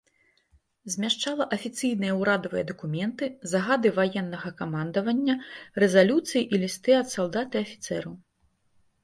Змяшчала афіцыйныя ўрадавыя дакументы, загады ваеннага камандавання, рэзалюцыі і лісты ад салдат і афіцэраў.